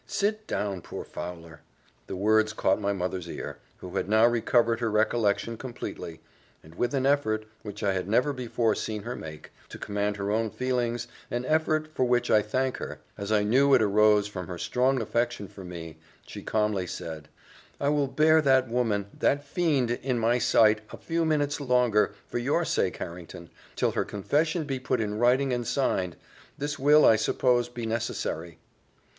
"Sit down, poor Fowler." The words caught my mother's ear, who had now recovered her recollection completely; and with an effort, which I had never before seen her make, to command her own feelings an effort, for which I thank her, as I knew it arose from her strong affection for me, she calmly said, "I will bear that woman that fiend, in my sight, a few minutes longer, for your sake, Harrington, till her confession be put in writing and signed: this will, I suppose, be necessary."